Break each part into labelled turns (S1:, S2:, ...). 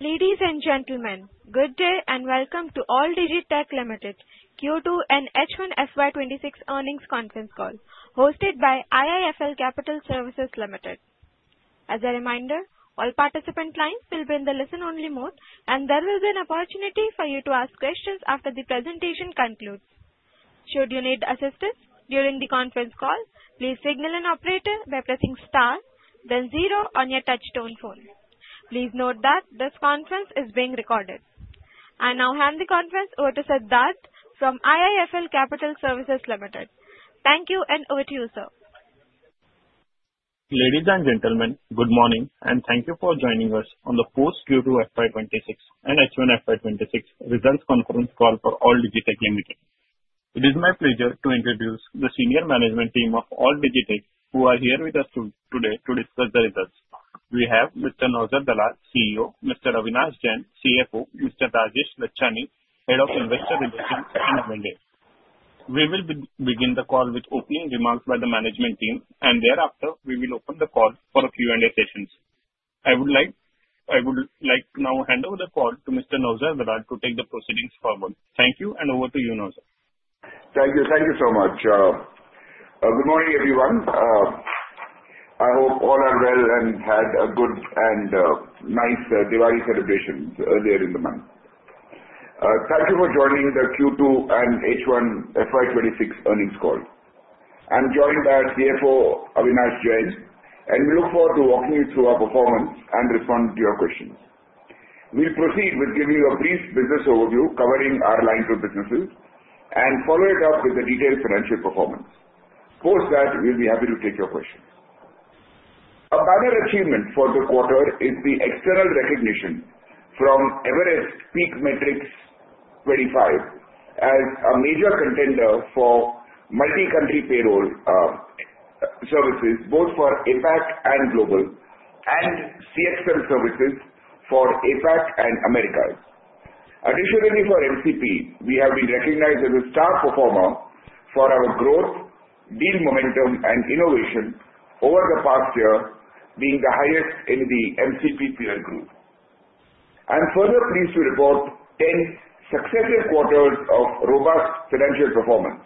S1: Ladies and Gentlemen, good day and welcome to AllDigi Tech Limited Q2 and H1 FY26 earnings conference call hosted by IIFL Capital Services Limited. As a reminder, all participant lines will be in the listen-only mode, and there will be an opportunity for you to ask questions after the presentation concludes. Should you need assistance during the conference call, please signal an operator by pressing star then zero on your touchtone phone. Please note that this conference is being recorded. I now hand the conference over to Siddharth from IIFL Capital Services Limited. Thank you and over to you, sir.
S2: Ladies and gentlemen, good morning and thank you for joining us on the post Q2FY26 and results conference call for AllDigi Tech Limited. It is my pleasure to introduce the senior management team of AllDigi Tech who are here with us today to discuss the results. We have Mr. Naozer Dalal, CEO, Mr. Avinash Jain, CFO, Mr. Rajesh Lachhani, Head. Of Investor Relations in the back there. We will begin the call with opening remarks by the management team and thereafter we will open the call for a Q&A session. I would like to now hand over the call to Mr. Naozer Dalal to take the proceedings forward. Thank you. And over to you, Naozer.
S3: Thank you. Thank you so much. Good morning everyone. I hope all are well and had a good and nice Diwali celebrations earlier in the month. Thank you for joining the Q2 and H1 FY26 earnings call. I'm joined by our CFO Avinash Jain and we look forward to walking you through our performance and responding to your questions. We'll proceed with giving you a brief business overview covering our lines of businesses and follow it up with a detailed financial performance post that we'll be happy to take your questions. A banner achievement for the quarter is the external recognition from Everest Group's PEAK Matrix 2025 as a major contender for multi-country payroll services both for India and Global and CXM services for APAC and Americas. Additionally for MCP we have been recognized as a star performer for our growth, deal momentum and innovation over the past year being the highest in the MCP peer group. I'm further pleased to report 10 successive quarters of robust financial performance.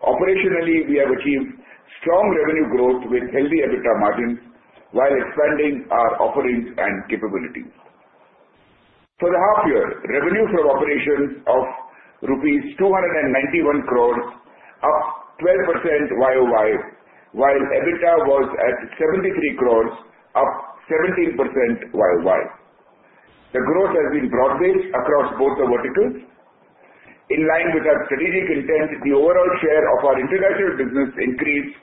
S3: Operationally we have achieved strong revenue growth with healthy EBITDA margins while expanding our offerings and capabilities. For the half year revenue from operations of rupees 291 crores up 12% YoY while EBITDA was at 73 crores up 17% YoY. The growth has been broad based across both the verticals in line with our strategic intent, the overall share of our international business increased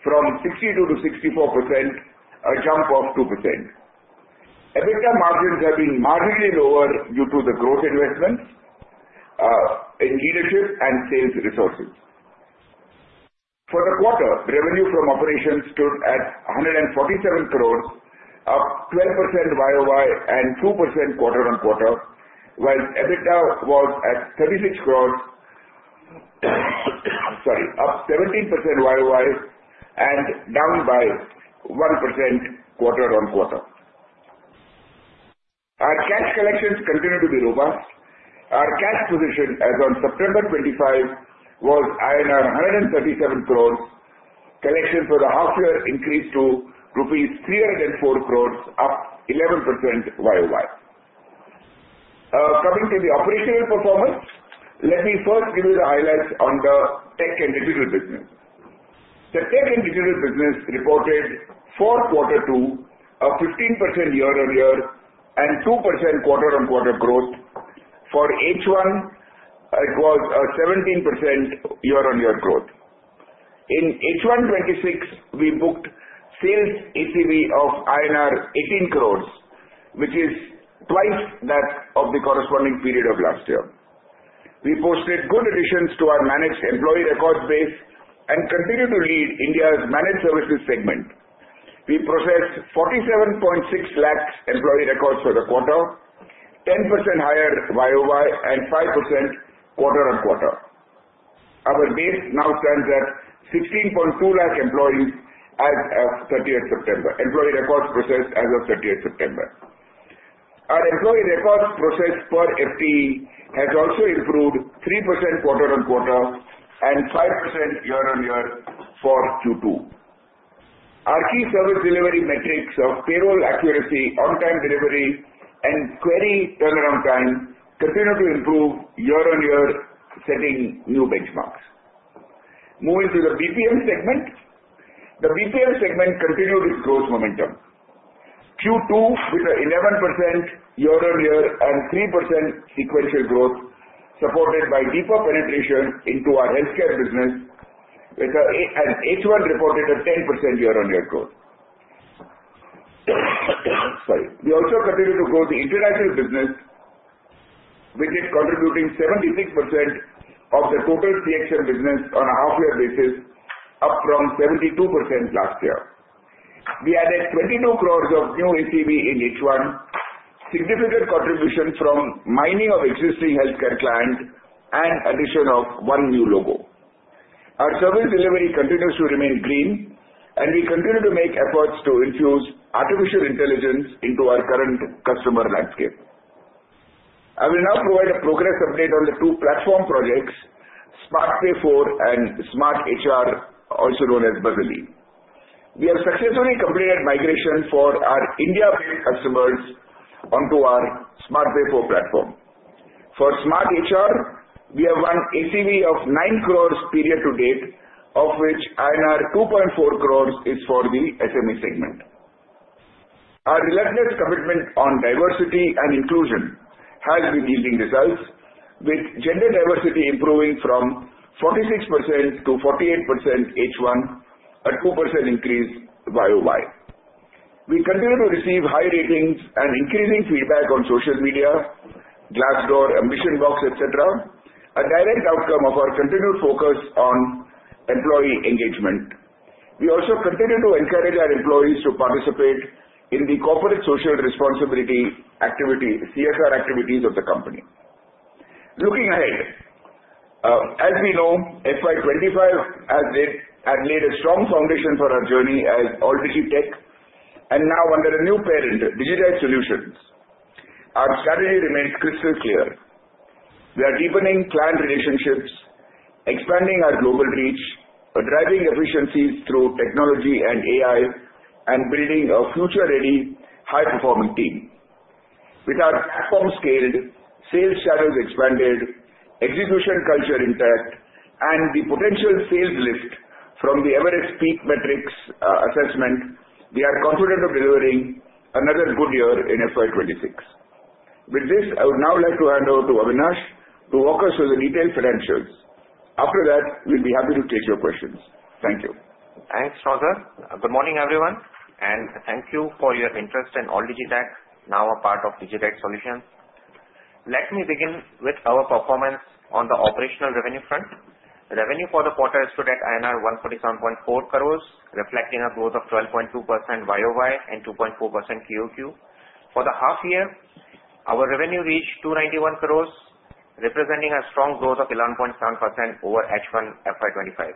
S3: from 62% to 64%, a jump of 2%. EBITDA margins have been marginally lower due to the growth investments in leadership and sales resources. For the quarter, revenue from operations stood at 147 crores, up 12% YoY and 2% quarter-on-quarter, while EBITDA was at 36 crores. Sorry, up 17% YoY and down by 1% quarter on quarter. Our cash collections continue to be robust. Our cash position as on September 25th was INR 137 crores. Collection for the half year increased to rupees 304 crores up 11% yoy. Coming to the operational performance, let me first give you the highlights on the. The tech and digital business reported for quarter two a 15% year on year and 2% quarter on quarter growth. For H1 it was a 17% year on year growth. In H1 26 we booked sales ACV of INR 18 crores which is twice that of the corresponding period of last year. We posted good additions to our managed employee records base and continue to lead India's managed services segment. We processed 47.6 lakhs employee records for the quarter, 10% higher YoY and 5% quarter on quarter. Our base now stands at 16.2 lakh employees as of 30th September. Employee records processed as of 30th September. Our employee record process for FTE has also improved 3% quarter on quarter and 5% year on year. For Q2, our key service delivery metrics of payroll accuracy, on-time delivery, and query turnaround time continue to improve year-on-year, setting new benchmarks. Moving to the BPM segment, the BPM segment continued its growth momentum in Q2 with an 11% year-on-year and 3% sequential growth, supported by deeper penetration into our healthcare business, and H1 reported a 10% year-on-year growth. We also continue to grow the international business which is contributing 76% of the total CXM business on a half year basis up from 72% last year. We added 22 crores of new ACV in H1, significant contribution from mining of existing healthcare client and addition of one new logo. Our service delivery continues to remain green and we continue to make efforts to infuse artificial intelligence into our current customer landscape. I will now provide a progress update on the two platform projects SmartPay 4 and SmartHR, also known as Buzzily. We have successfully completed migration for our India-based customers onto our SmartPay 4 platform. For SmartHR we have won ACV of 9 crores period to date of which INR 2.4 crores is for the SME segment. Our relentless commitment on diversity and inclusion has been yielding results with gender diversity improving from 46% to 48% in H1, a 2% increase YoY. We continue to receive high ratings and increasing feedback on social media, Glassdoor, AmbitionBox, etc. A direct outcome of our continued focus on employee engagement. We also continue to encourage our employees to participate in the corporate social responsibility CSR activities of the company. Looking ahead as we know, FY25 has laid a strong foundation for our journey as AllDigi Tech and now under a new parent Digitide Solutions, our strategy remains crystal clear. We are deepening client relationships, expanding our global reach, driving efficiencies through technology and AI and building a future ready high performing team. With our platform scaled, sales channels expanded, execution culture intact and the potential sales list from the Everest PEAK Matrix assessment, we are confident of delivering another good year in FY26. With this, I would now like to hand over to Avinash to walk us through the detailed financials. After that, we'll be happy to take your questions. Thank you.
S4: Thanks, Naozer. Good morning, everyone, and thank you for your interest in AllDigi Tech, now a part of Digitide Solutions. Let me begin with our performance on the operational revenue front. Revenue for the quarter stood at INR 147.4 crores, reflecting a growth of 12.2% YoY and 2.4% QoQ. For the half year, our revenue reached 291 crores, representing a strong growth of 11.7% over H1FY25.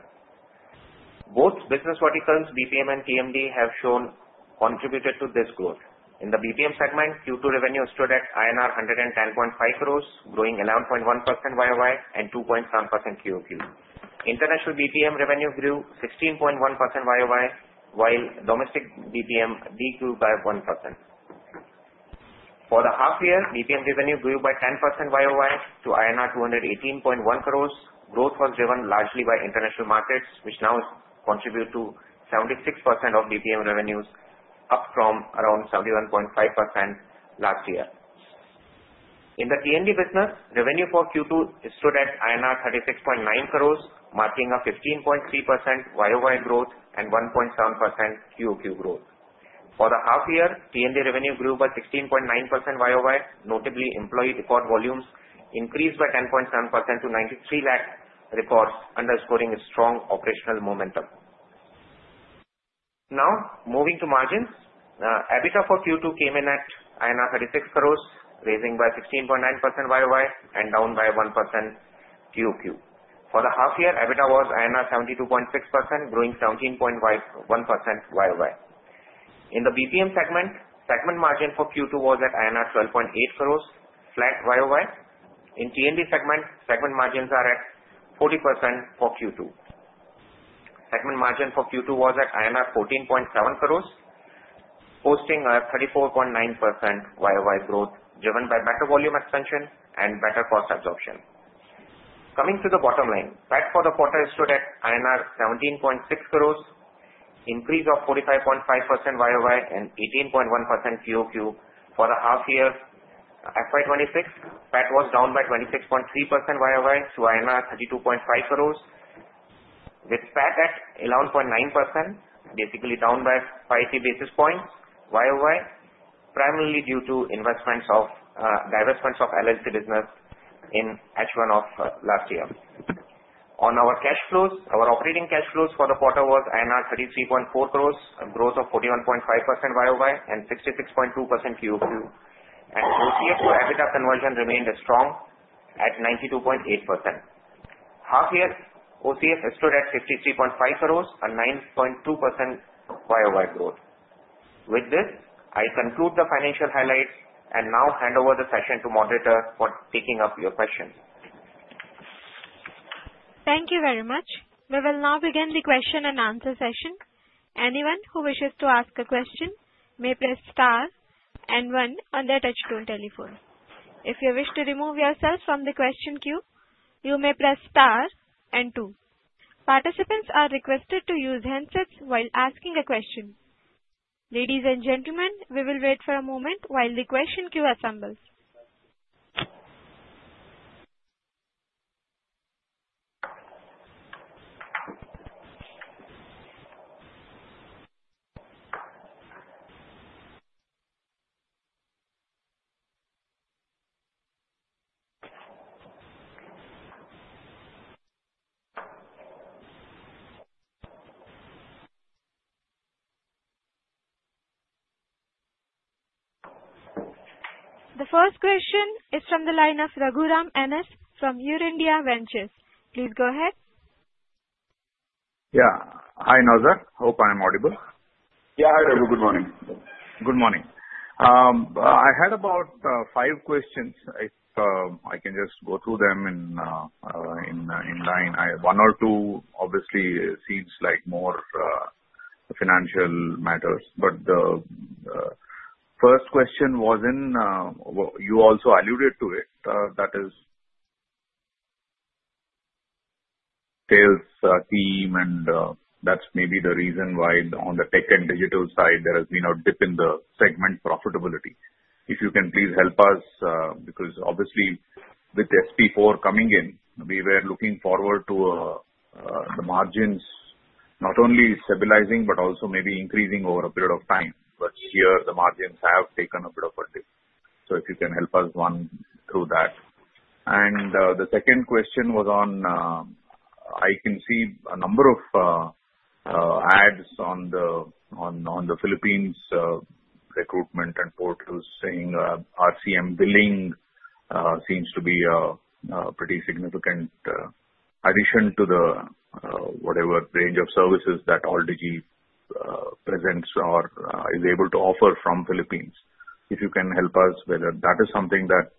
S4: Both business verticals BPM and T&D have shown contributed to this growth. In the BPM segment, Q2 revenue stood at INR 110.5 crores, growing 11.1% YoY and 2.7% QoQ. International BPM revenue grew 16.1% YoY while domestic BPM decreased by 1%. For the half year BPM revenue grew by 10% YoY to INR 218.1 crores. Growth was driven largely by international markets which now contribute to 76% of BPM revenues up from around 71.5% last year. In the T&D business, revenue for Q2 stood at INR 36.9 crores marking a 15.3% YoY growth and 1.7% QoQ growth. For the half year T&D revenue grew by 16.9% YoY. Notably, employee record volumes increased by 10.7% to 93 lakh reports underscoring strong operational momentum. Now moving to margins, EBITDA for Q2 came in at INR 36 crores rising by 16.9% YoY and down by 1% QoQ. For the half year EBITDA was INR 72.6 crores growing 17.1% YoY. In the BPM segment margin for Q2 was at INR 12.8 crores flat YoY. In T&D segment margins are at 40% for Q2. Segment margin for Q2 was at INR 14.7 crores posting a 34.9% YoY growth driven by better volume expansion and better cost absorption. Coming to the bottom line, PAT for the quarter stood at INR 17.6 crores, increase of 45.5% YoY and 18.1% QoQ. For the half year FY26 PAT was down by 26.3% YoY to 32.5 crores with PAT at 11.9% basically down by 5 basis points YoY primarily due to investments or divestments of LLC business in H1 of last year. On our cash flows, our operating cash flows for the quarter was INR 33.4 crores. Growth of 41.5% YoY and 66.2% QoQ and OCF to EBITDA conversion remained strong at 92.8%. Half year OCF stood at 53.5 crores and 9.2% YoY growth. With this I conclude the financial highlights and now hand over the session to moderator for taking up your questions.
S1: Thank you very much. We will now begin the question and answer session. Anyone who wishes to ask a question may press Star and one on their touchtone telephone. If you wish to remove yourselves from the question queue, you may press star and 2. Participants are requested to use handsets while asking a question. Ladies and gentlemen, we will wait for a moment while the question queue assembles.
S5: SA.
S1: The first question is from the line of Raghuram N.S. from EurIndia Ventures. Please go ahead.
S5: Yeah, hi Naozer. Hope I am audible.
S3: Yeah hi Raghu. Good morning.
S5: Good morning. I had about five questions. I can just go through them in line. One or two obviously seems like more financial matters. But the first question was, and you also alluded to it. That is. Sales team and that's maybe the reason why on the tech and digital side there has been a dip in the segment profitability. If you can, please help us. Because obviously with SP4 coming in, we were looking forward to the margins not only stabilizing but also may be increasing over a period of time. But here the margins have taken a. Bit of a dip. If you can help us run through that. The second question was on, I can see a number of ads on the Philippines recruitment and portals saying RCM billing seems to be pretty significant addition to the whatever range of services that AllDigi presents or is able to offer from Philippines. If you can help us whether that is something that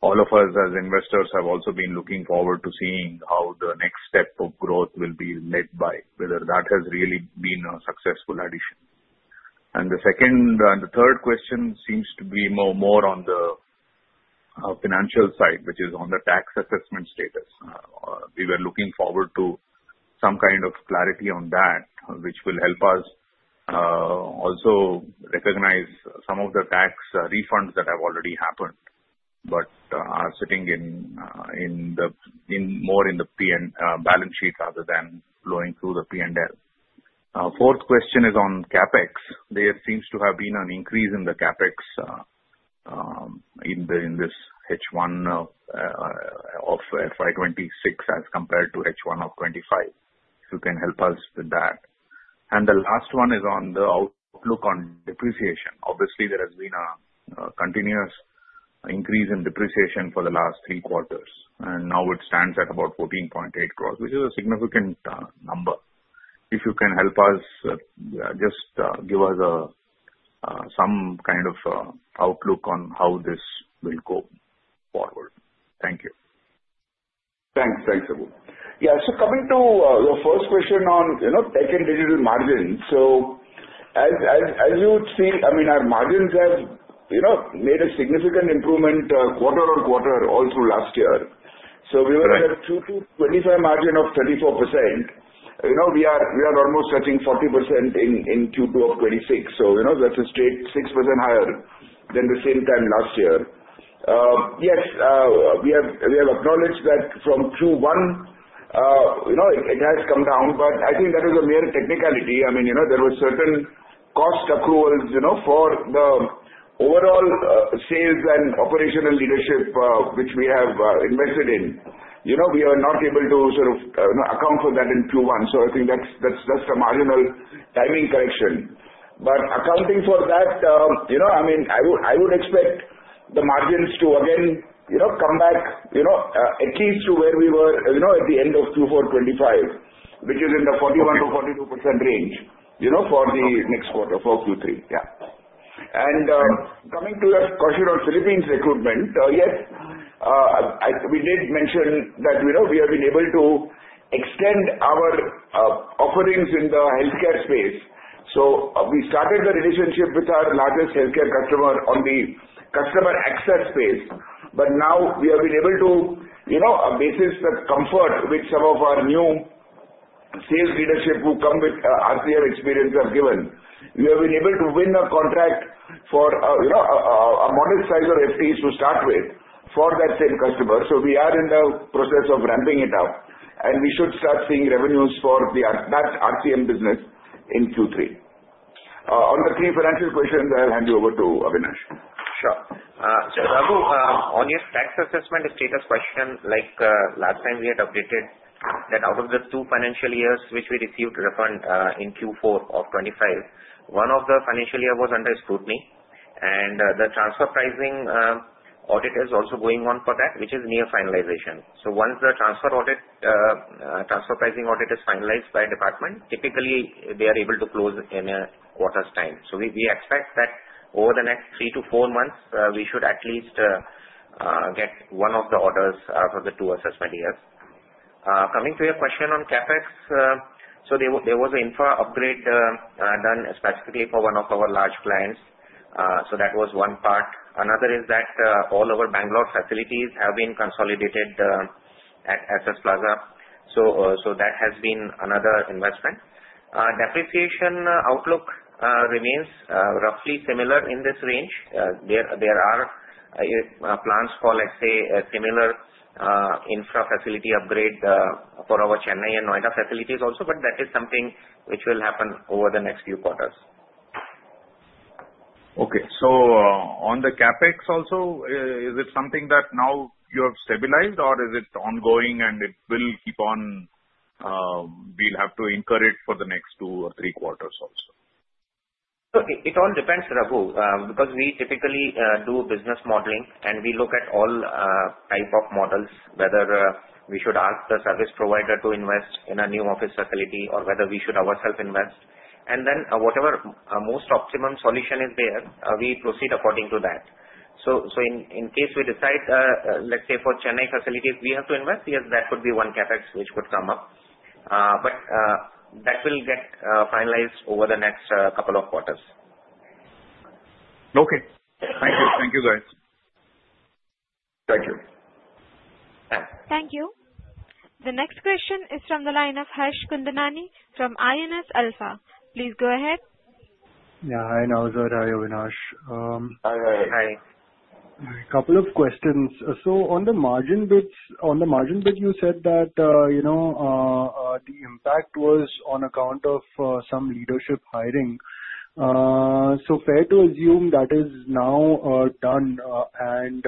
S5: all of us as investors have also been looking forward to seeing how the next step of growth will be led by whether that has really been a successful addition. The second and the third question seems to be more on the financial side, which is on the tax assessment status. We were looking forward to some kind of clarity on that which will help us also recognize some of the tax refunds that have already happened but are. Sitting. More in the balance sheet rather than flowing through the P&L. Fourth question is on CapEx, there seems to have been an increase in the. CapEx. In this H1 of FY26 as compared to H1 of FY25. You can help us with that. The last one is on the outlook on depreciation. Obviously there has been a continuous increase in depreciation for the last three quarters and now it stands at about 14.8 crores which is a significant number. If you can help us just give us some kind of outlook on how this will go forward. Thank you.
S3: Thanks. Thanks Raghu. Yes, so coming to the first question on tech and digital margins. So as you would see, I mean our margins have made a significant improvement quarter on quarter all through last year. So we were at a Q2 of FY25 margin of 34%. We are almost touching 40% in Q2 of FY26. So that's a straight 6% higher than the same time last year. Yes, we have acknowledged that from Q1 it has come down, but I think that is a mere technicality. I mean there were certain cost accruals for the overall sales and operational leadership which we have invested in. We are not able to sort of account for that in Q1, so I think that's just a marginal timing correction. But accounting for that, I mean I would expect the margins to again come back at least to where we were at the end of Q4 2025, which is in the 41%-42% range for the next quarter for Q3. And coming to your question on Philippines recruitment. Yes, we did mention that we have been able to extend our offerings in the healthcare space. So we started the relationship with our largest healthcare customer on the customer access space. But now we have been able to based on the comfort which some of our new sales leadership who come with RCM experience have given. We have been able to win a contract for a modest size of FTEs to start with for that same customer. So we are in the process of ramping it up and we should start seeing revenues for that RCM business in Q3. On the three financial questions, I'll hand you over to Avinash.
S4: Sure. Raghu, on your tax assessment status question, like last time we had updated that out of the two financial years which we received refund in Q4 of 2025, one of the financial years was under scrutiny and the transfer pricing audit is also going on for that which is near finalization. So once the transfer audit, transfer pricing audit is finalized by department typically they are able to close in a quarter's time. So we expect that over the next three to four months we should at least get one of the orders out of the two assessment years. Coming to your question on CapEx, so there was an infra upgrade done specifically for one of our large clients. So that was one part. Another is that all our Bengaluru facilities have been consolidated at SS Plaza. So that has been another investment. Depreciation outlook remains roughly similar in this range. There are plans for, let's say, a similar infra facility upgrade for our Chennai and Noida facilities also, but that is something which will happen over the next few quarters.
S5: Okay, so on the CapEx also, is it something that now you have stabilized or is it ongoing and it will keep on? We will have to incur it for the next two or three quarters also.
S4: It all depends, Raghu. Because we typically do business modeling and we look at all type of models. Whether we should ask the service provider to invest in a new office facility or whether we should ourselves invest. And then whatever most optimum solution is there, we proceed according to that. So in case we decide, let's say for Chennai facilities we have to invest. Yes, that would be one CapEx which would come up. But that will get finalized over the next couple of quarters.
S5: Okay, thank you. Thank you guys.
S3: Thank you.
S1: Thank you. The next question is from the line of Harsh Kundnani from Aionios Alpha. Please go ahead.
S6: Yeah. Hi Naozer. Hi Avinash. Couple of questions, so on the margin bits. On the margin bit you said that you know the impact was on account of some leadership hiring. So fair to assume that is now done, and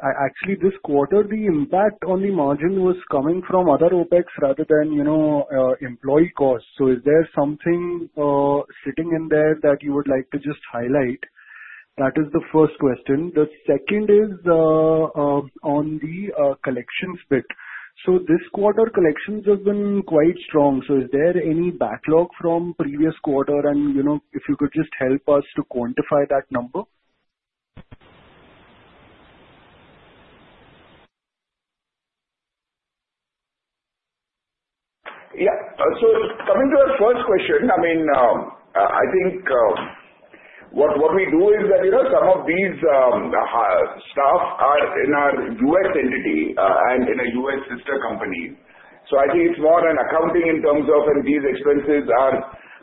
S6: actually this quarter the impact on the margin was coming from other OPEX rather than employee costs. So is there something sitting in there that you would like to just highlight? That is the first question. The second is on the collections bit, so this quarter collections have been quite strong, so is there any backlog from previous quarter and you know if you could just help us to quantify that number.
S3: Yeah, so coming to the first question, I mean I think what we do is that you know some of these staff are in our U.S. entity and in a U.S. sister company. So I think it's more an accounting in terms of these expenses are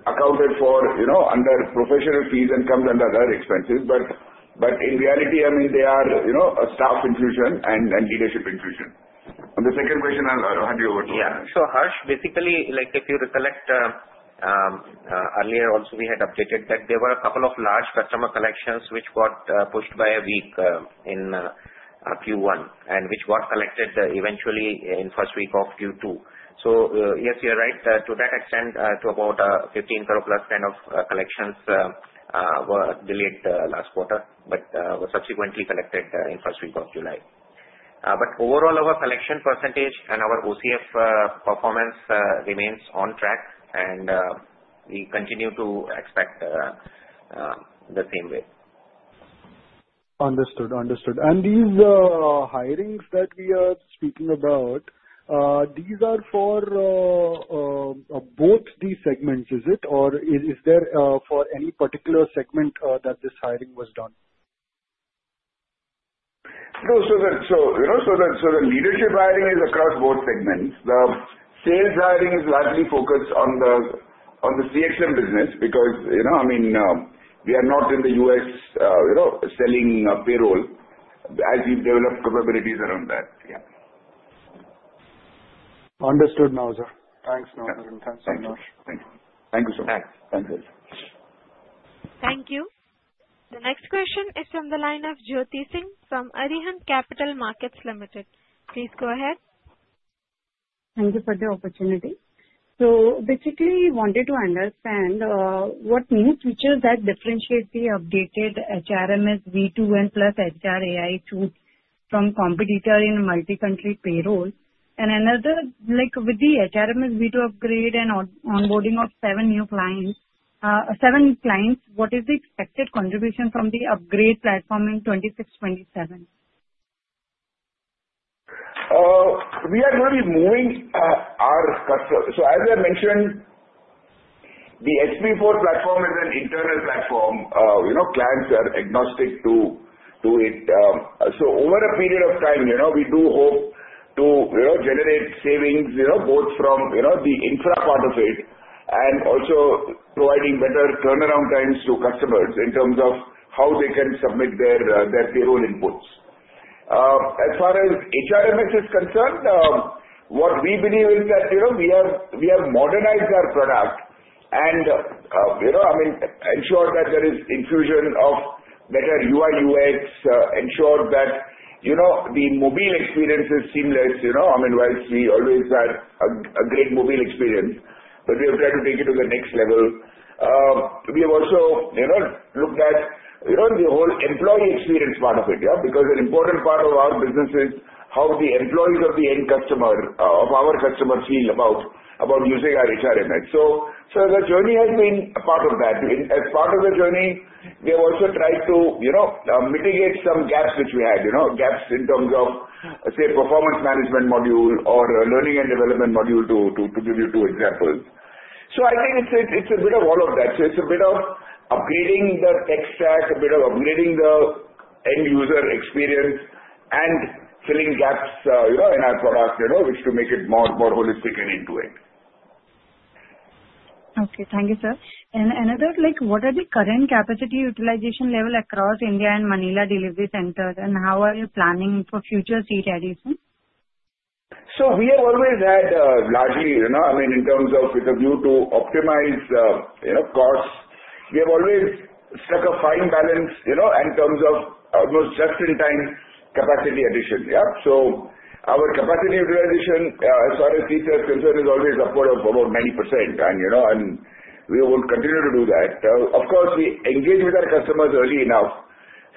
S3: accounted for under professional fees and comes under other expenses. But in reality, I mean they are a staff inclusion and leadership inclusion. On the second question I'll hand you over to.
S4: Yeah, so Harsh. Basically, like if you recollect, earlier also we had updated that there were a couple of large customer collections which got pushed by a week in Q1 and which was collected eventually in first week of Q2. So yes, you're right to that extent to about 15 crore plus kind of collections were delayed last quarter but were subsequently collected in first week of July. But overall our collection percentage and our OCF performance remains on track and we continue to expect. The same way.
S6: Understood, understood. These hirings that we are speaking about, these are for. Both these segments. Is it or is there for any particular segment that this hiring was done?
S3: So the leadership hiring is across both segments. The sales hiring is largely focused on the CXM business because I mean we are not in the US selling payroll as we develop capabilities around that.
S6: Understood now, sir. Thanks, Naozer, and thanks so much. Thank you so much.
S1: Thank you. The next question is from the line of Jyoti Singh from Arihant Capital Markets Ltd. Please go ahead.
S7: Thank you for the opportunity. So basically wanted to understand what new features that differentiate the updated HRMS v2 and HR AI tools from competitor in multi country payroll. And another like with the HRMS V2 upgrade and onboarding of seven new clients. Seven clients. What is the expected contribution from the upgrade platform in 2627?
S3: We are really moving our customers. So as I mentioned, the SP4 platform is an internal platform. You know clients are agnostic to. So over a period of time we do hope to generate savings both from the infra part of it and also providing better turnaround times to customers in terms of how they can submit their payroll inputs. As far as HRMS is concerned. What we believe is that we have modernized our product and I mean ensure that there is infusion of better UI/UX, ensure that the mobile experience is seamless. I mean whilst we always had a great mobile experience but we have tried to take it to the next level we have also looked at the whole employee experience part of it because an important part of our business is how the employees of the end customer of our customer feel about using our HRMS. So the journey has been a part of that. As part of the journey, we have also tried to mitigate some gaps which we had, gaps in terms of, say, performance management module or learning and development module, to give you two examples. So, I think it's a bit of all of that. So, it's a bit of upgrading the tech stack, a bit of upgrading the end user experience, and filling gaps in our product which to make it more holistic and intuitive.
S7: Okay, thank you sir. And another like what are the current capacity utilization level across India and Manila delivery centers and how are you planning for future seat addition?
S3: So we have always had largely, I mean in terms of, with a view to optimize costs we have always struck a fine balance in terms of almost just in time capacity addition. Our capacity utilization as far as Allsec is concerned is always upward of about 90%. And you know, and we will continue to do that of course we engage with our customers early enough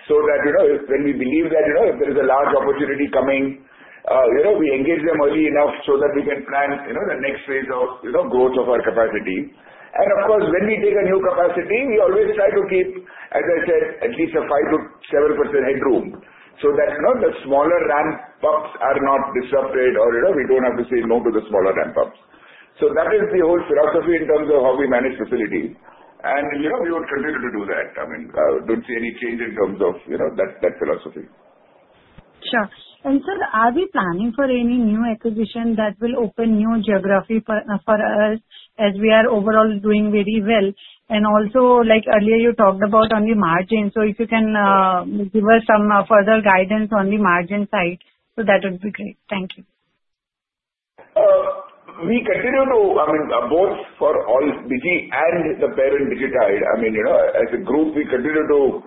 S3: so that you know, when we believe that there is a large opportunity coming, you know, we engage them early enough so that we can plan the next phase of growth of our capacity. And of course when we take a new capacity we always try to keep as I said at least a 5%-7% headroom so that the smaller ramp ups are not disrupted or we don't have to say no to the smaller ramp ups. That is the whole philosophy in terms of how we manage facilities and we will continue to do that. I mean, don't see any change in terms of that philosophy.
S7: Sure. Sir, are we planning for any? New acquisition that will open new geography for us as we are overall doing very well. And also, like, earlier you talked about on the margin. So if you can give us some further guidance on the margin side. So that would be great. Thank you.
S3: We continue to, I mean both for AllDigi and the parent Digitide. I mean you know as a group we continue to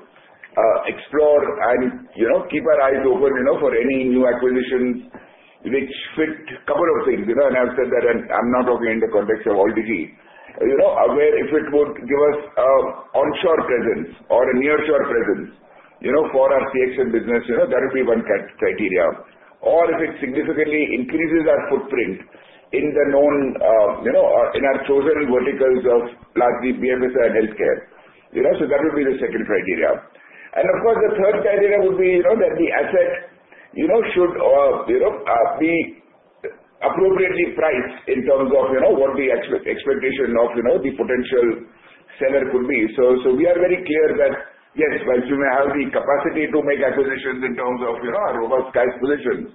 S3: explore and you know keep our eyes open, you know for any new acquisitions which fit couple of things and I've said that and I'm not talking in the context of AllDigi where if it would give us onshore presence or a nearshore presence for our CXM business, that would be one criteria or if it significantly increases our footprint in the known, in our chosen verticals of largely BFSI and healthcare. So that would be the second criteria. And of course the third criteria would be that the asset should be appropriately priced in terms of what the expectation of the potential seller could be. So we are very clear that yes, you may have the capacity to make acquisitions in terms of robust cash positions,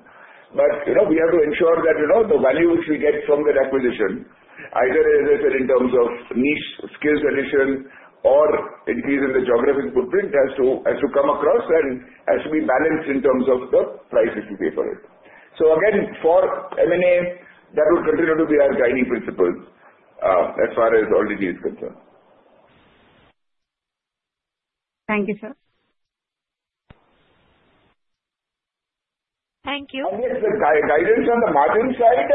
S3: but we have to ensure that the value which we get from that acquisition either as I said in terms of niche skills addition or increase in the geographic footprint has to come across and has to be balanced in terms of the price that you pay for it. So again for M and A that would continue to be our guiding principles as far as AllDigi is concerned.
S7: Thank you sir.
S1: Thank you.
S3: Guidance on the margin side,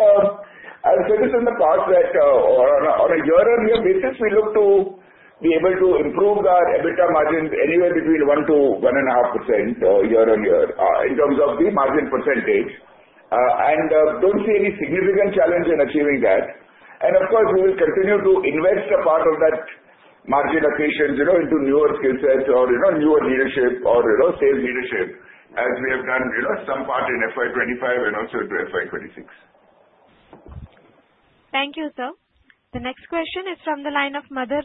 S3: I've said this in the past that on a year-on-year basis we look to be able to improve our EBITDA margins anywhere between 1% to 1.5% year on year in terms of the margin percentage and don't see any significant challenge in achieving that, and of course we will continue to invest a part of that margin accretion into newer skill sets or newer leadership or sales leadership as we have done some part in FY25 and also to FY26.
S1: Thank you sir. The next question is from the line of Madhur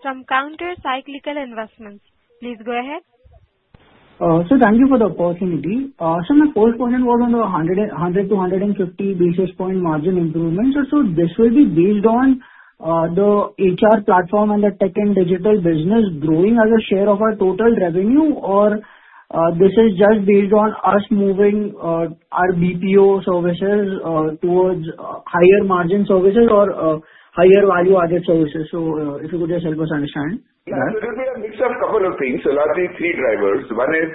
S1: Rathi from Counter Cyclical Investments. Please go ahead sir.
S8: Thank you for the opportunity. So my first question was on the 100-150 basis point margin improvement. So this will be based on the HR platform and the tech and digital business growing as a share of our total revenue. Or this is just based on us moving our BPO services towards higher margin services or higher value added services. So if you could just help us. Understand
S3: it will be a mix of couple of things. So largely three drivers. One is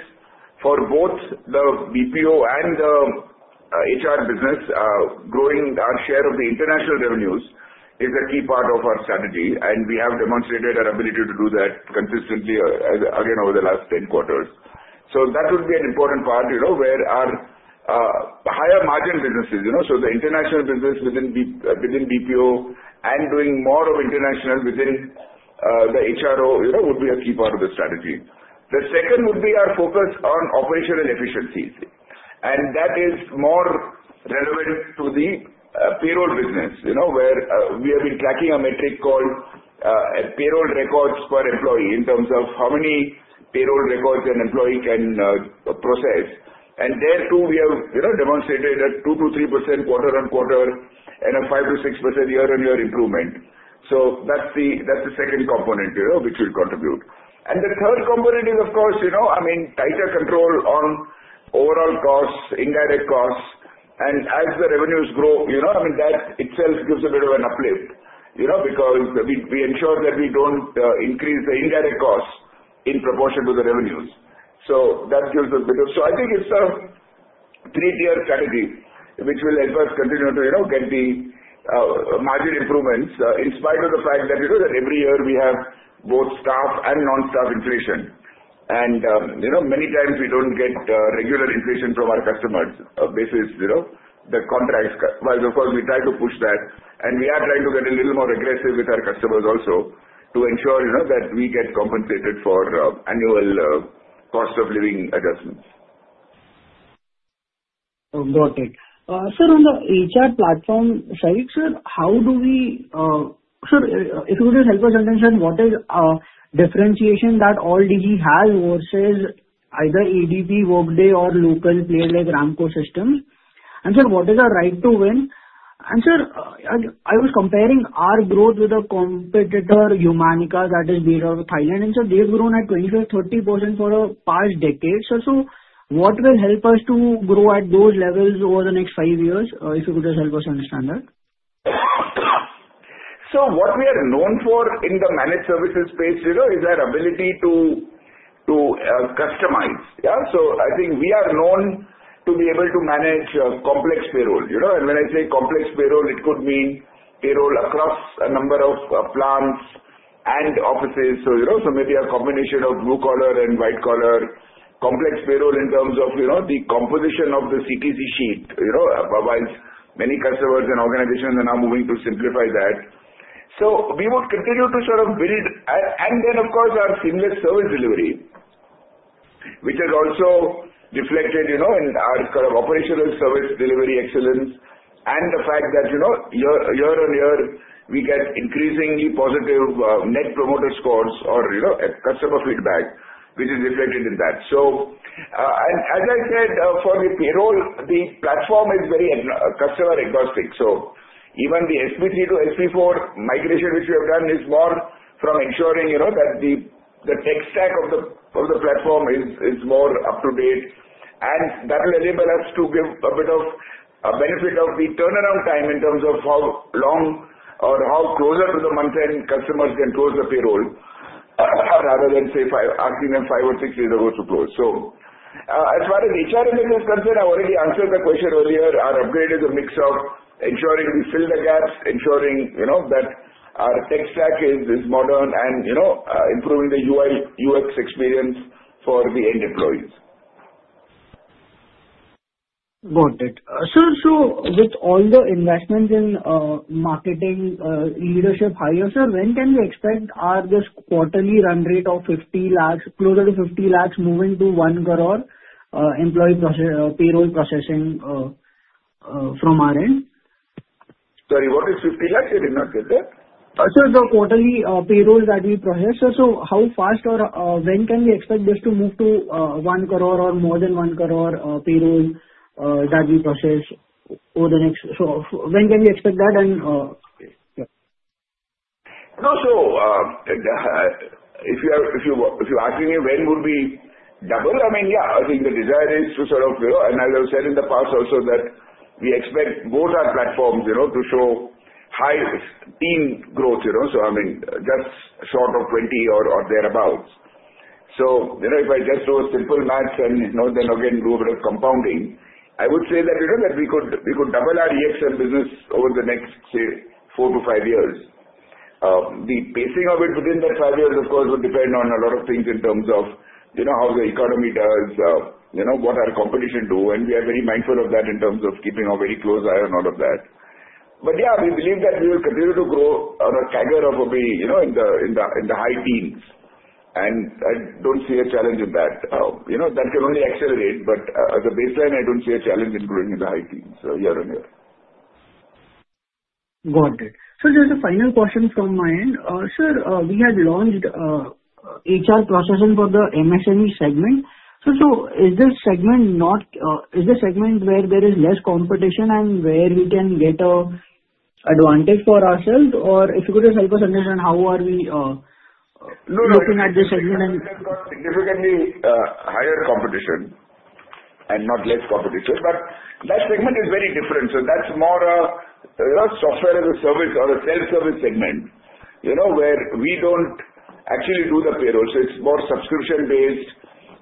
S3: for both the BPO and the HR business, growing our share of the international revenues is a key part of our strategy and we have demonstrated our ability to do that consistently again over the last 10 quarters. So that would be an important part where our higher margin businesses so the international business within BPO and doing more of international within the HRO would be a key part of the strategy. The second would be our focus on operational efficiencies and that is more relevant to the payroll business where we have been tracking a metric called payroll records per employee in terms of how many payroll records an employee can process. There too we have demonstrated that 2%-3% quarter-on-quarter and a 5%-6% year-on-year improvement. So that's the second component which will contribute and the third component is of course I mean tighter control on overall costs, indirect costs. As the revenues grow, you know, I mean that itself gives a bit of an uplift, you know because we ensure that we don't increase the indirect costs in proportion to the revenues. So I think it's a three-tier strategy which will help us continue to get the margin improvements in spite of the fact that every year we have both staff and non-staff inflation and many times we don't get regular inflation from our customers basis the contracts. But of course we try to push that and we are trying to get a little more aggressive with our customers also to ensure that we get compensated for annual cost of living adjustments.
S8: Got it sir, on the HR platform side. Sir, if you just help us understand what is differentiation that AllDigi has versus either ADP, Workday or local player like Ramco Systems. And sir, what is our right to win? And sir, I was comparing our growth with a competitor Humanica, that is based in Thailand. And so they've grown at 25-30% for a. So what will help us to grow at those levels over the next five years? If you could just help us understand that.
S3: So what we are known for in the managed services space is our ability to customize. So I think we are known to be able to manage complex payroll. You know, and when I say complex payroll it could mean payroll across a number of plants and offices. So you know, so maybe a combination of blue collar and white collar complex payroll in terms of, you know, the composition of the CTC sheet. You know, while many customers and organizations are now moving to simplify that. So we would continue to sort of build and then of course our seamless service delivery which is also reflected, you know, in our kind of operational service delivery excellence and the fact that you know, year on year we get increasingly positive net promoter scores or customer feedback which is reflected in that. So, as I said, for the payroll, the platform is very customer agnostic. So even the SP3 to SP4 migration which we have done is more from ensuring that the tech stack of the platform is more up to date and that will enable us to give a bit of benefit of the turnaround time in terms of how long or how closer to the month end customers can close the payroll rather than, say, asking them five or six days ago to close. So as far as HRMS is concerned, I already answered the question earlier. Our upgrade is a mix of ensuring we fill the gaps, ensuring that our tech stack is modern and improving the UX experience for the end employees.
S8: Got it. With all the investments in marketing leadership hiring sir, when can we expect our this quarterly run rate of 50 lakhs? Closer to 50 lakhs. Moving to 1 crore employee process payroll. Processing from our end.
S3: Sorry, what is 50 lakhs? I did not get that.
S8: The quarterly payroll that we process. How fast or when can we expect this to move to 1 crore or more than 1 crore payroll? That we process over the next. So when can we expect that?
S3: And. Also. If you're asking me when would we double? I mean yeah, I think the desire is to sort of, you know and as I've said in the past also that we expect both our platforms, you know, to show high teen growth, you know, so I mean just sort of 20% or thereabouts. So if I just do a simple math and then again do a bit of compounding, I would say that we could double our CXM and business over the next say four to five years. The pacing of it within that five years of course would depend on a lot of things in terms of how the economy does, what our competition do and we are very mindful of that in terms of keeping a very close eye on all of that. But yeah, we believe that we will continue to grow at a CAGR in the high teens, and I don't see a challenge in that. You know, that can only accelerate, but as a baseline I don't see a challenge in growing in the high teens. Teens year on year.
S8: Got it. So just a final question from my end, sir. We had launched HR processing for the MSME segment. Is the segment where there is less competition and where we can get an advantage for ourselves, or if you could just help us understand how are we looking at this segment?
S3: Significantly higher competition and not less competition, but that segment is very different, so that's more a software as a service or a self-service segment where we don't actually do the payroll, so it's more subscription-based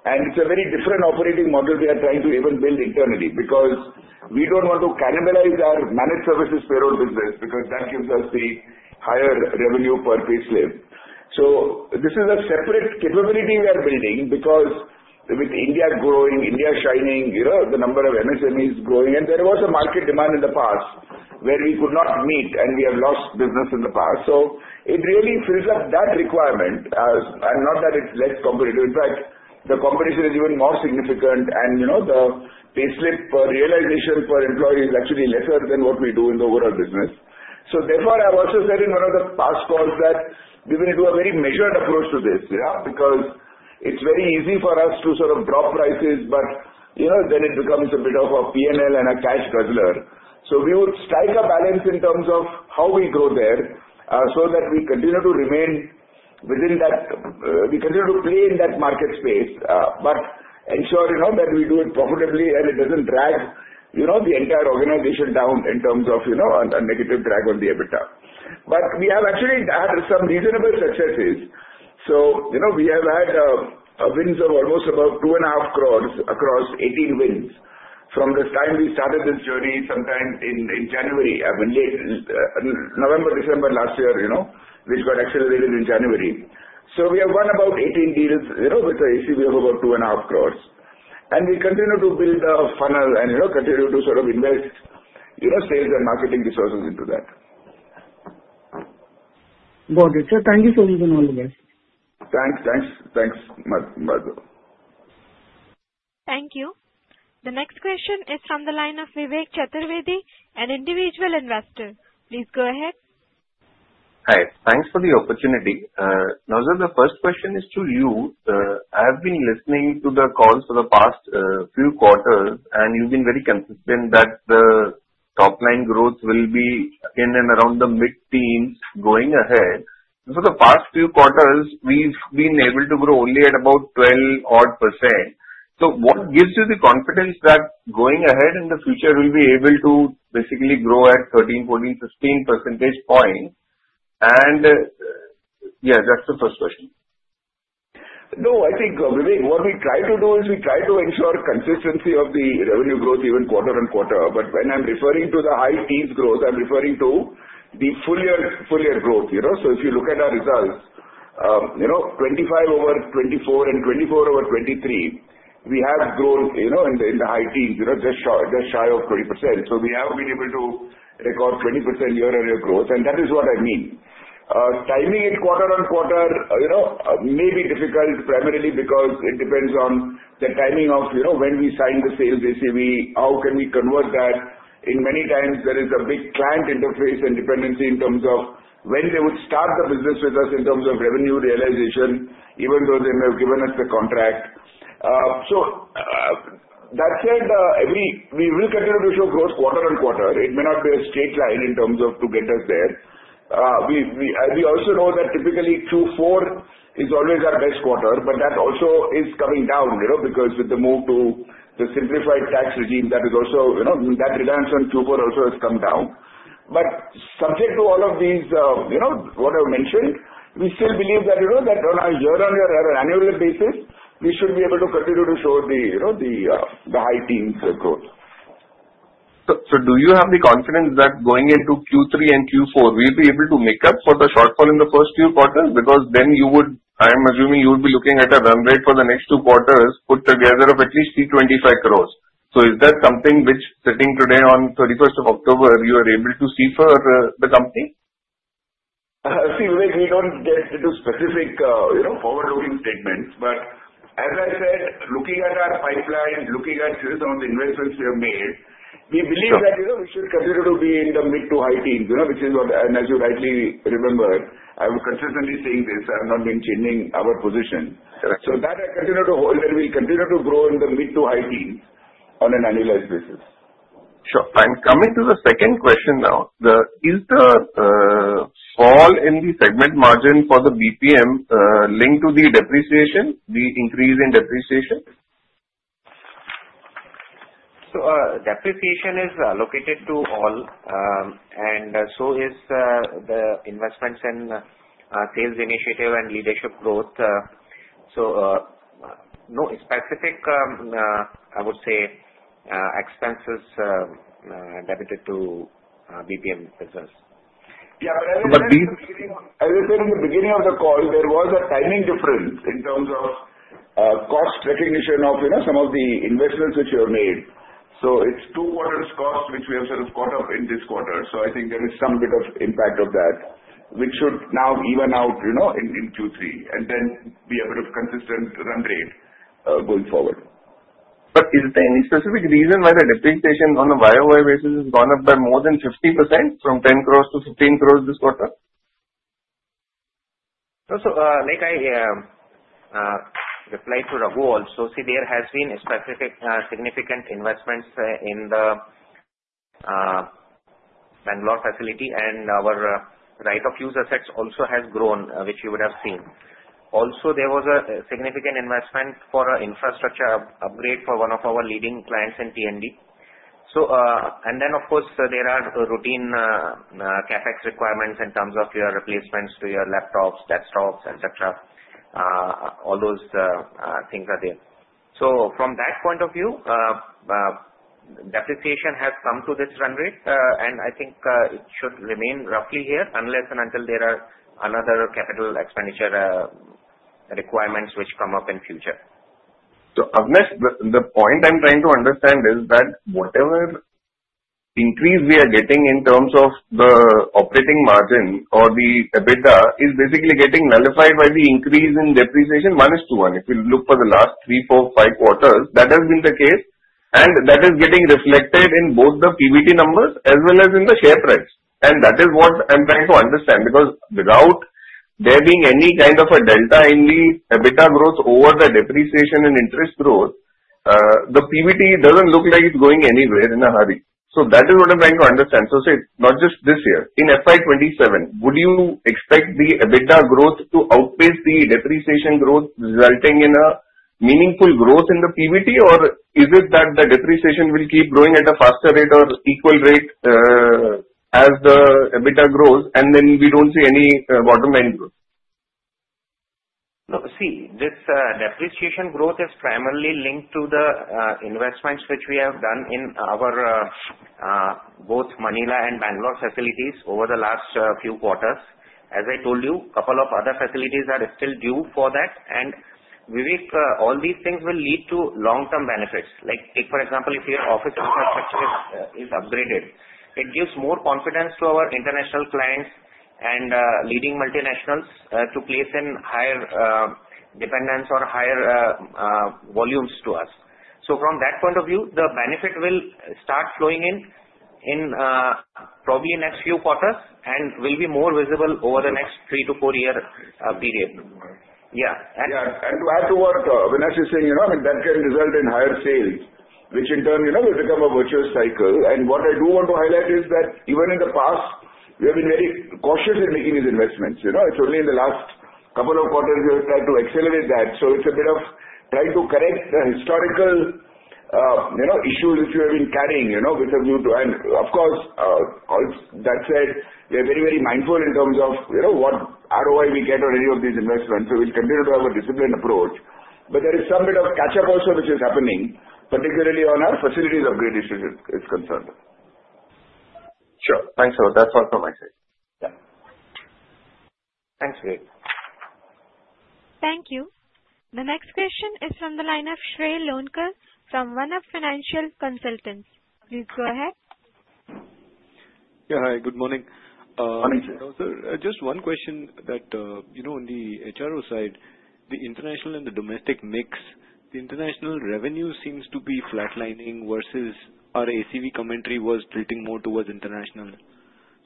S3: and it's a very different operating model. We are trying to even build internally because we don't want to cannibalize our managed services payroll business because that gives us the higher revenue per payslip. So this is a separate capability we are building because with India growing, India Shining, the number of MSMEs growing and there was a market demand in the past where we could not meet and we have lost business in the past, so it really fills up that requirement. And not that it's less competitive, in fact the competition is even more significant and the payslip realization per employee is actually lesser than what we do in the overall business. So therefore I also said in one of the past calls that we will do a very measured approach to this because it's very easy for us to sort of drop prices but then it becomes a bit of a P and L and a cash guzzler. So we would strike a balance in terms of how we grow there so that we continue to remain within that, we continue to play in that market space, but ensure that we do it profitably and it doesn't drag the entire organization down in terms of a negative drag on the EBITDA. But we have actually had some reasonable successes. We have had wins of almost about 2.5 crores across 18 wins from this time. We started this journey sometime in January, I believe November, December last year, you know, which got accelerated in January. We have won about 18 deals with an ACV of about 2.5 crores. And we continue to build a funnel and you know, continue to sort of invest, you know, sales and marketing resources into that.
S8: Got it sir. Thank you so much. And all the guys.
S3: Thanks, thanks. Thanks.
S1: Thank you. The next question is from the line of Vivek Chaturvedi, an individual investor. Please go ahead.
S9: Hi. Thanks for the opportunity. Naozer, the first question is to you. I have been listening to the calls for the past few quarters and you've been very consistent that the top line growth will be in and around the mid teens going ahead. For the past few quarters we've been able to grow only at about 12 odd %. So what gives you the confidence that going ahead in the future we'll be able to basically grow at 13, 14, 15 percentage points, and yeah, that's the first question.
S3: No, I think Vivek, what we try to do is we try to ensure consistency of the revenue growth, even quarter on quarter. But when I'm referring to the high teens growth, I'm referring to the full year growth. So if you look at our results, you know, 25 over 24 and 24 over 23, we have grown, you know, in the high teens, you know, just shy of 20%. So we have been able to record 20% year on year growth. And that is what I mean, timing it quarter on quarter, you know, may be difficult primarily because it depends on the timing of, you know, when we sign the sales ACV, how can we convert that? In many times there is a big client interface and dependency in terms of when they would start the business with us in terms of revenue realization even though they may have given us the contract. So that said, we will continue to show growth quarter on quarter. It may not be a straight line in terms of to get us there. We also know that typically Q4 is always our best quarter. But that also is coming down because with the move to the simplified tax regime that is also that reliance on Q4 also has come down. But subject to all of these what I mentioned, we still believe that on a year on year annual basis we should be able to continue to show the high teens growth.
S9: So do you have the confidence that going into Q3 and Q4 we'll be able to make up for the shortfall in the first few quarters? Because then I am assuming you would be looking at a run rate for the next two quarters put together of at least 325 crores. So is that something which sitting today on 31st of October you are able to see for the company?
S3: See, we don't get into specific forward-looking statements, but as I said, looking at our pipeline, looking at some of the investments we have made, we believe that we should continue to be in the mid- to high-teens, which is what, and as you rightly remember, I'm consistently saying this. I'm not maintaining our position so that I continue to hold, and we'll continue to grow in the mid- to high-teens on an annualized basis.
S9: Sure, and coming to the second question now, is the fall in the segment margin for the BPM linked to the depreciation, the increase in depreciation?
S4: Depreciation is allocated to all and so is the investments in sales initiative and leadership growth. No specific, I would say, expenses debited to BPM business.
S3: As I said in the beginning of the call, there was a timing difference in terms of cost recognition of some of the investments which you have made. So it's 2/4 cost which we have sort of caught up in this quarter. So I think there is some bit of impact of that which should now even out in Q3 and then be a bit of consistent run rate going forward.
S9: But is there any specific reason why the depreciation on a YoY basis has gone up by more than 50% from 10 crores to 15 crores this quarter?
S4: Like I. Replied to Raghu. Also see there has been significant investments in the. Bengaluru facility and our right of use assets also has grown which you would have seen. Also there was a significant investment for an infrastructure upgrade for one of our leading clients in T&D. So and then of course there are routine CapEx requirements in terms of your replacements to your laptops, desktops, etc. All those things are there. So from that point of view depreciation has come to this run rate and I think it should remain roughly here unless and until there are another capital expenditure requirements which come up in future.
S9: Avinash, the point I'm trying to understand is that whatever increase we are getting in terms of the operating margin or the EBITDA is basically getting nullified by the increase in depreciation minus 2:1. If you look for the last three, four, five quarters that has been the case and that is getting reflected in both the PBT numbers as well as in the share price. And that is what I'm trying to understand because without there being any kind of a delta in the EBITDA growth over the depreciation and interest growth, the PBT doesn't look like it's going anywhere in a hurry. That is what I'm trying to understand. Say not just this year in FY27, would you expect the EBITDA growth to outpace the depreciation growth resulting in a meaningful growth in the PBT? Or is it that the depreciation will keep growing at a faster rate or equal rate as the EBITDA grows and then we don't see any bottom end growth?
S4: See, this depreciation growth is primarily linked to the investments which we have done in our both Manila and Bengaluru facilities over the last few quarters. As I told you, couple of other facilities are still due for that. And all these things will lead to long term benefits. Like take for example if your office infrastructure is upgraded it gives more confidence to our international clients and leading multinationals to place in higher dependence or higher volumes to us. So from that point of view the benefit will start flowing in. Probably next few quarters and will be more visible over the next three- to four-year period.
S3: Yes, and to add to what Avinash is saying, you know that can result in higher sales which in turn will become a virtuous cycle. And what I do want to highlight is that even in the past we have been very cautious in making these investments. You know, it's only in the last couple of quarters we have tried to accelerate that. So it's a bit of trying to correct historical. Issues which you have been carrying, which are due to. And of course that said, we are very, very mindful in terms of what ROI we get on any of these investments. So we'll continue to have a disciplined approach. But there is some bit of catch up also which is happening particularly on our facilities of great institution is concerned. Sure, thanks.
S9: That's all from my side. Thanks G.
S1: Thank you. The next question is from the line of Shrey Loonker from OneUp Financial Consultants. Please go ahead.
S10: Good morning, sir. Just one question, you know, on the HRO side the international and the domestic mix, the international revenue seems to be flatlining versus our ACV commentary was tilting more towards international.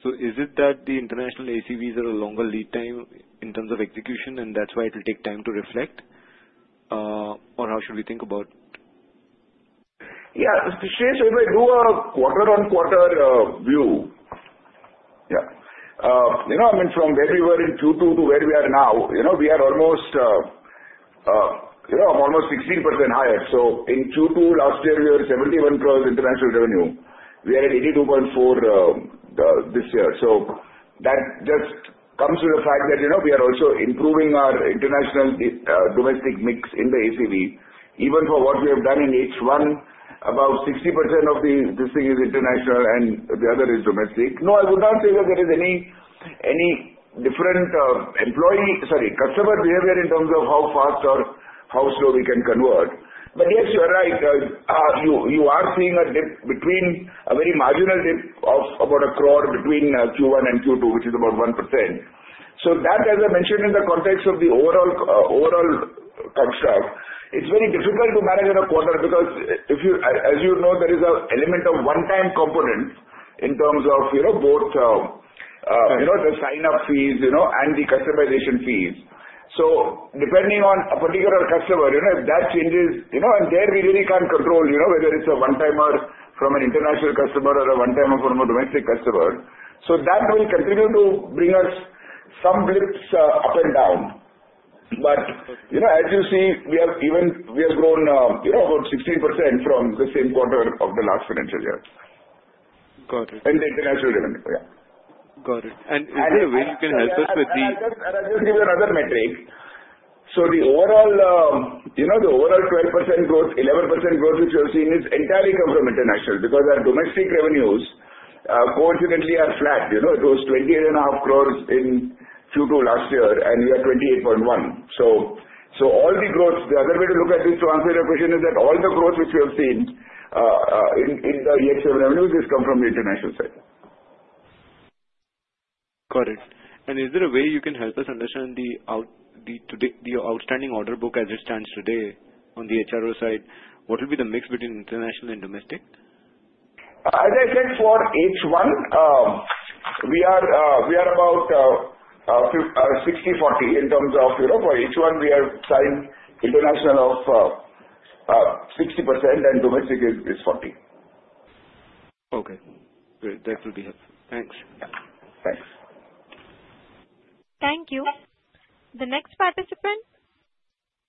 S10: So is it that the international ACVs are a longer lead time in terms of execution and that's why it will take time to reflect or how should we think about?
S3: Yeah, so Shrey if I do a quarter on quarter view. Yeah, you know, I mean, from where we were in Q2 to where we are now, you know, we are almost. You know, almost 16% higher. So in Q2 last year we were 71 crores international revenue. We are at 82.4. So that just comes to the fact that we are also improving our international domestic mix in the ACV. Even for what we have done in H1. About 60% of this thing is international and the other is domestic. No, I would not say that there is any different employee, sorry customer behavior in terms of how fast or how slow we can convert. But yes, you are right, you are seeing a dip, a very marginal dip of about 1 crore between Q1 and Q2 which is about 1%. So that, as I mentioned in the context of the overall construct, it's very difficult to manage in a quarter because as you know there is an element of one-time component in terms of both the sign-up fees and the customization fees. So depending on a particular customer, if that changes, you know, and there we really can't control, you know, whether it's a one timer from an international customer or a one timer from a domestic customer. So that will continue to bring us some blips up and down. But you know, as you see we have even, we have grown, you know, about 16% from the same quarter of the last financial year. Got it in the international revenue.
S10: Yeah, got it. You can help us with the.
S3: So the overall, you know, the overall 12% growth, 11% growth which you have seen is entirely come from international because our domestic revenues coincidentally are flat. You know, it was 28.5 crores in Q2 last year and we are 28.1 crores. So all the growth, the other way to look at this, to answer your question is that all the growth which we have seen in the CXM revenues has come from the international side.
S10: Got it. And is there a way you can help us understand the outstanding order book as it stands today? On the HRO side, what will be the mix between international and domestic?
S3: As I said, for H1. We are about 60-40 in terms of Europe. For H1 we have signed international of 60% and domestic is 40%.
S10: Okay, great. That will be helpful. Thanks.
S1: Thank you. The next participant,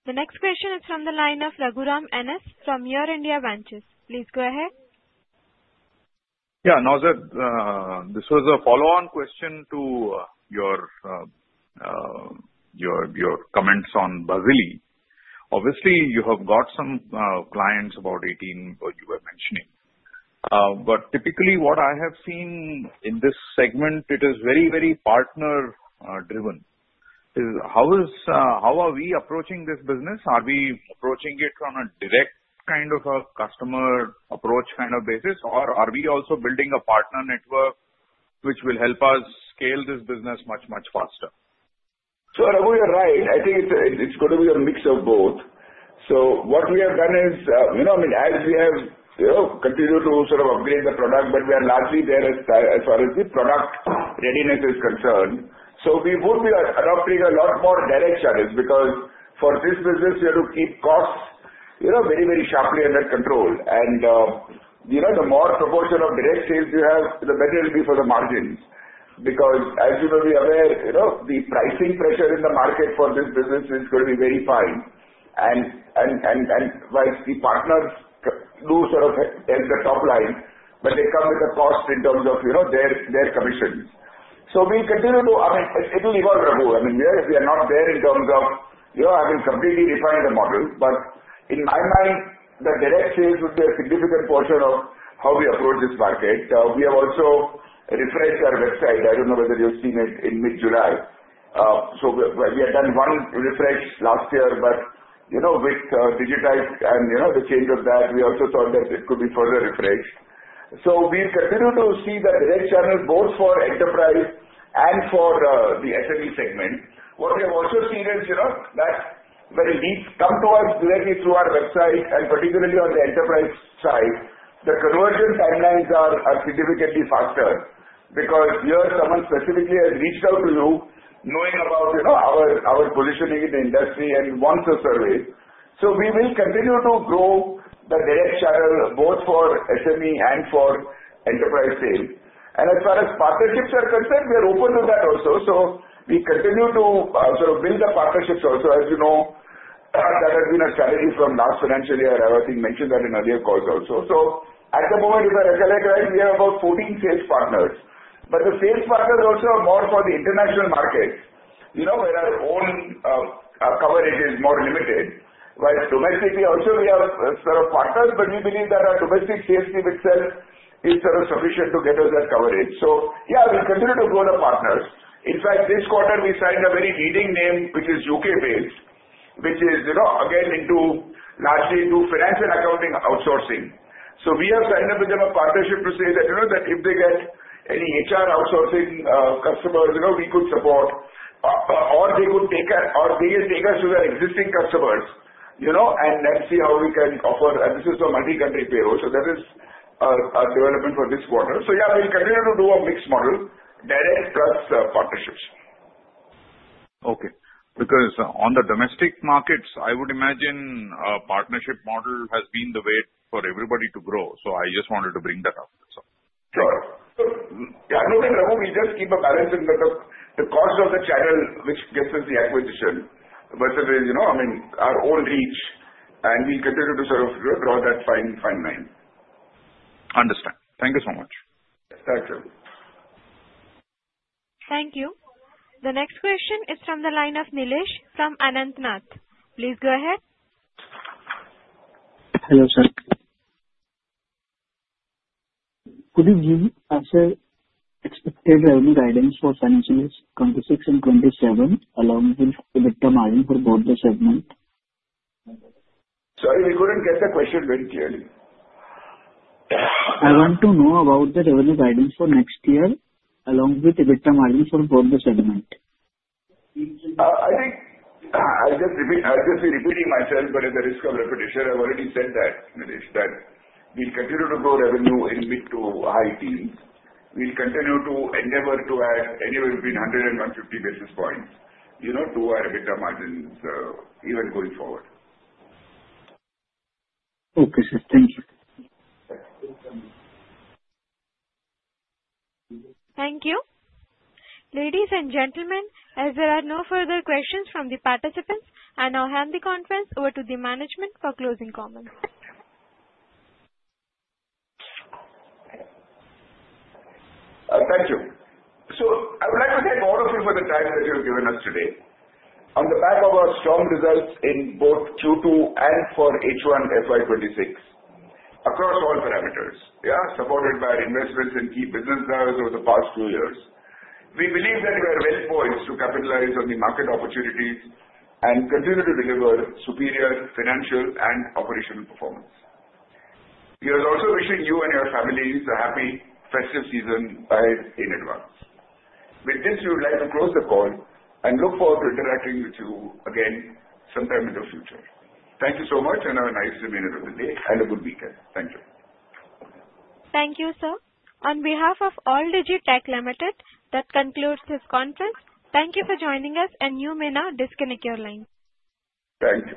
S1: the next question is from the line of Raghuram N.S. from EurIndia Ventures. Please go ahead.
S5: Yeah, Naozer, this was a follow-on question to your. Comments on Buzzily. Obviously you have got some clients about 18 you were mentioning. But typically what I have seen in. This segment, it is very, very partner driven. How are we approaching this business? Are we approaching it from a direct kind of a customer approach kind of? Basis or are we also building a? Partner network which will help us scale. This business much, much faster?
S3: So Raghu, you're right. I think it's going to be a mix of both. So what we have done is, I mean as we have continued to sort of upgrade the product but we are largely there as far as the product readiness is concerned. So we would be adopting a lot more direct charges because for this business you have to keep costs very, very sharply under control. And the more proportion of direct sales you have, the better it will be for the margins. Because as you may be aware, the pricing pressure in the market for this business is going to be very fine. And the partners do sort of help the top line but they come with a cost in terms of their commissions. So we'll continue to. I mean it will evolve, Raghu. I mean we are not there in terms of having completely refined the model, but in my mind the direct sales would be a significant portion of how we approach this market. We have also refreshed our website. I don't know whether you've seen it in mid-July, so we had done one refresh last year but with Digitide and the change of that we also thought that it could be further refreshed, so we continue to see the direct channel both for enterprise and for the SME segment. What we have also seen is that very leads come to us directly through our website and particularly on the enterprise side the conversion timelines are significantly faster because here someone specifically has reached out to you knowing about our positioning in the industry and wants a service. So we will continue to grow the direct channel both for SME and for enterprise sales. And as far as partnerships are concerned, we are open to that also. So we continue to sort of be partnerships also. As you know, that has been a strategy from last financial year. I think mentioned that in earlier calls also. So at the moment, if I recall, I guess we have about 14 sales partners. But the sales partners also are more for the international markets, you know, where our own coverage is more limited. While domestically also we have sort of partners. But we believe that our domestic sales team itself is sort of sufficient to get us that coverage. So yeah, we continue to grow the partners. In fact, this quarter we signed a very leading name which is UK-based, which is again into largely finance and accounting outsourcing. So we have signed up with them, a partnership to say that if they get any HR outsourcing customers we could support or they could take, or they will take us to their existing customers and let's see how we can offer, and this is for multi-country. So that is a development for this quarter, so yeah, we'll continue to do a mixed model direct plus partnerships.
S5: Okay. Because on the domestic markets I would imagine partnership model has been the way. For everybody to grow. So I just wanted to bring that up.
S3: Sure. We just keep a balance in the cost of the channel which gives us the acquisition. But you know, I mean our own reach and we continue to sort of draw that fine, fine line.
S5: Understand. Thank you so much.
S3: Thanks.
S1: Thank you. The next question is from the line of Nilesh from Anand Rathi. Please go ahead.
S11: Hello sir. Could you give us a? Expected revenue guidance for FY26 and FY27 along with EBITDA margin for both the segments.
S3: Sorry, we couldn't get the question very clearly.
S11: I want to know about the revenue. Guidance for next year along with EBITDA margin for both the segments.
S3: I think I'll just be repeating myself, but it's a risk of repetition. I've already said that Nilesh that we'll continue to grow revenue in mid- to high-teens. We'll continue to endeavor to add anywhere between 100-150 basis points, you know, to our EBITDA margins even going forward. Okay, sir, thank you.
S1: Thank you ladies and gentlemen. As there are no further questions from the participants, I now hand the conference over to the management for closing comments.
S3: Thank you. So I would like to thank all of you for the time that you. Have given us today. On the back of our strong results in both Q2 and for H1 FY25 across all parameters, supported by investments in key business drivers over the past few years. We believe that we are well poised to capitalize on the market opportunities and continue to deliver superior financial and operational performance. He is also wishing you and your families a happy festive season in advance with this. We would like to close the call and look forward to interacting with you again sometime in the future. Thank you so much and have a nice remainder of the day and a good weekend. Thank you.
S1: Thank you sir. On behalf of AllDigi Tech Limited, that concludes this conference. Thank you for joining us and you may now disconnect your lines.
S3: Thank you.